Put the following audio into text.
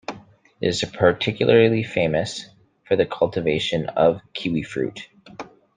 It is particularly famous for the cultivation of kiwifruit.